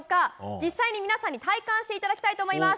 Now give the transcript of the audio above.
実際に皆さんに体感していただきたいと思います。